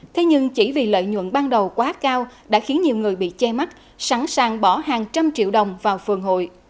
thế nhưng chỉ vì lợi nhuận ban đầu quá cao đã khiến nhiều người bị che mắt sẵn sàng bỏ hàng trăm triệu đồng vào phường hội